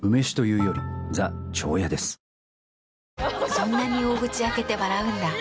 そんなに大口開けて笑うんだ。